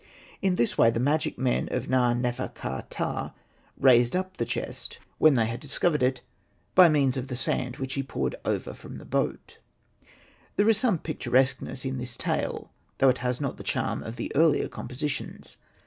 In this way the magic men of Na.nefer.ka. ptah raised up the chest when Hosted by Google REMARKS 131 they had discovered it by means of the sand which he poured over from the boat. There is some picturesqueness in this tale, though it has not the charm of the earlier compositions.